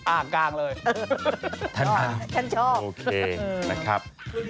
อ่างกลางเลยท่านชอบโอเคนะครับ